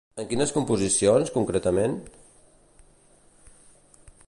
En quines composicions, concretament?